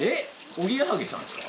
おぎやはぎさんですか？